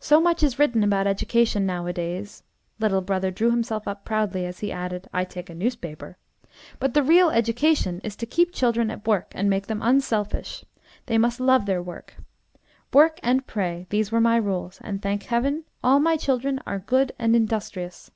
So much is written about education nowadays," (little brother drew himself up proudly as he added, "I take a newspaper,") "but the real education is to keep children at work and make them unselfish. They must love their work. Work and pray, these were my rules, and thank Heaven! all my children are good and industrious.